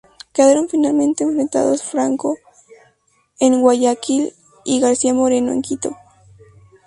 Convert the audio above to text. Quedaron finalmente enfrentados Franco en Guayaquil y García Moreno en Quito.